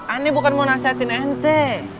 ani bukan mau nasihatin ente